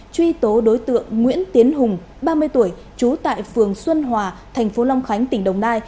truy tố đối tượng nguyễn tiến hùng ba mươi tuổi trú tại phường xuân hòa thành phố long khánh tỉnh đồng nai